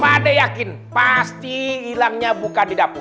ada yakin pasti hilangnya bukan di dapur